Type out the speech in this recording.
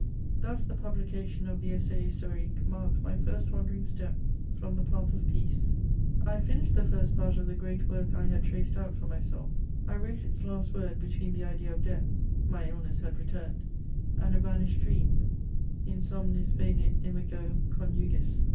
Thus the publication of the Essai Historique marks my first wandering step from the path 400 MEMOIBS OF of peace. I finbhed the first part of the great work I had traced out for myself; I wrote its last word between the idea of death (my illness had returned) and a vanished dream : in somnis venit imago conjugis.